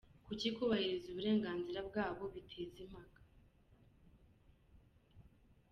Kuki kubahiriza uburenganzira bwabo biteza impaka?".